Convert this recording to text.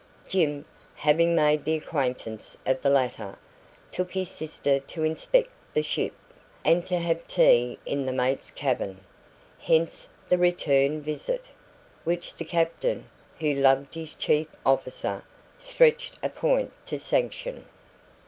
Jim, having made the acquaintance of the latter, took his sister to inspect the ship, and to have tea in the mate's cabin; hence the return visit, which the captain, who loved his chief officer, stretched a point to sanction.